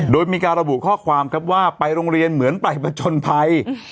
โดยมีการระบุข้อความครับว่าไปโรงเรียนเหมือนไปผจญภัย